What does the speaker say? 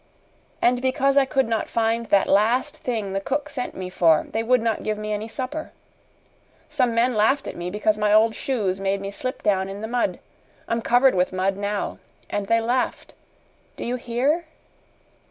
And because I could not find that last thing the cook sent me for, they would not give me any supper. Some men laughed at me because my old shoes made me slip down in the mud. I'm covered with mud now. And they laughed. Do you hear?"